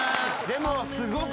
でも。